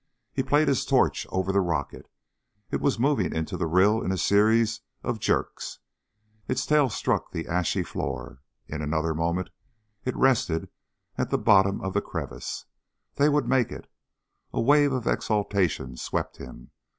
He played his torch over the rocket. It was moving into the rill in a series of jerks. Its tail struck the ashy floor. In another moment it rested at the bottom of the crevice. They would make it. A wave of exultation swept him.